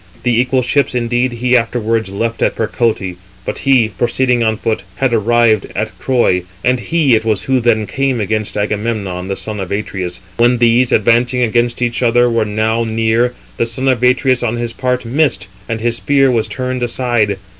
The equal ships indeed he afterwards left at Percote, but he, proceeding on foot, had arrived at Troy; and he it was who then came against Agamemnon, the son of Atreus. When these, advancing against each other, were now near, the son of Atreus on his part missed, and his spear was turned aside.